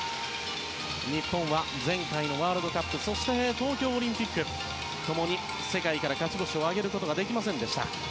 日本は前回のワールドカップそして、東京オリンピック共に世界から勝ち星を挙げることができませんでした。